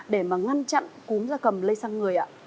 để mà ngăn chặn cúm gia cầm lây sang người ạ